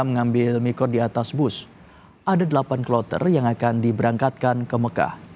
mengambil miko di atas bus ada delapan kloter yang akan diberangkatkan ke mekah